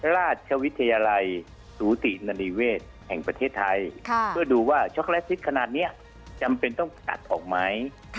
ราชวิทยาลัยสูตินนิเวศแห่งประเทศไทยเพื่อดูว่าช็อกโลตซิตขนาดนี้จำเป็นต้องตัดออกไหม